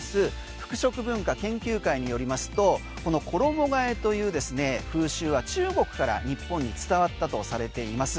服飾文化研究会によりますとこの衣替えという風習は中国から日本に伝わったとされています。